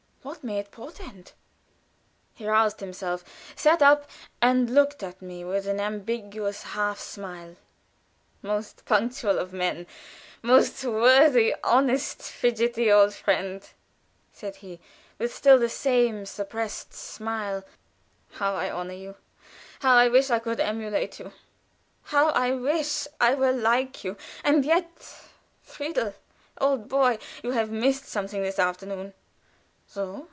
What may it portend?" He roused himself, sat up, and looked at me with an ambiguous half smile. "Most punctual of men! most worthy, honest, fidgety old friend," said he, with still the same suppressed smile, "how I honor you! How I wish I could emulate you! How I wish I were like you! and yet, Friedel, old boy, you have missed something this afternoon." "So!